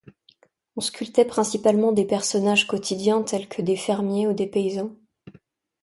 On sculptait principalement des personnages quotidiens tels que des fermiers ou des paysans.